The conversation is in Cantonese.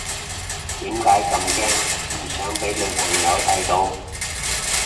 點解咁驚唔想俾女朋友睇到？